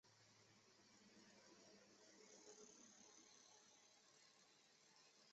入唐后不知所终。